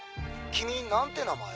君何て名前？